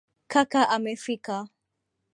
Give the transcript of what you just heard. Kaka amefika.